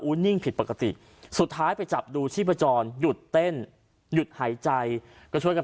นิ่งผิดปกติสุดท้ายไปจับดูชีพจรหยุดเต้นหยุดหายใจก็ช่วยกัน